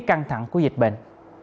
căng thẳng của dịch bệnh